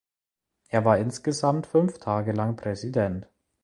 Er war insgesamt fünf Tage lang Präsident.